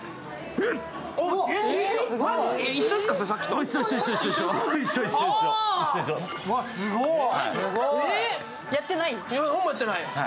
何もやってない。